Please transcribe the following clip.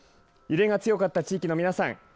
揺れが強かった地域の皆さん